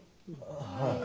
はい。